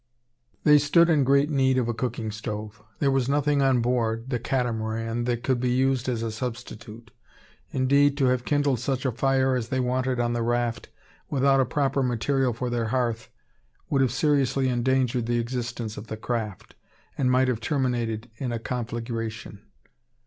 They stood in great need of a cooking stove. There was nothing on board the Catamaran that could be used as a substitute. Indeed, to have kindled such a fire as they wanted on the raft, without a proper material for their hearth, would have seriously endangered the existence of the craft; and might have terminated in a conflagration.